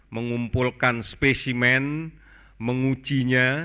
mengumpulkan spesimen mengujinya